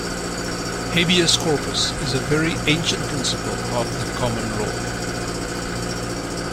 Habeas corpus is a very ancient principle of the common law